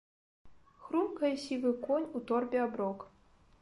Хрумкае сівы конь у торбе аброк.